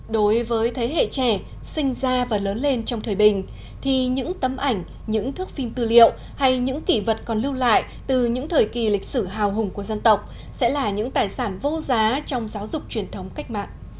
đối với thế hệ trẻ sinh ra và lớn lên trong thời bình thì những tấm ảnh những thước phim tư liệu hay những kỷ vật còn lưu lại từ những thời kỳ lịch sử hào hùng của dân tộc sẽ là những tài sản vô giá trong giáo dục truyền thống cách mạng